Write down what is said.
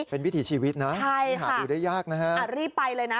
เป็นวิถีชีวิตนะใช่หาดูได้ยากนะฮะรีบไปเลยนะ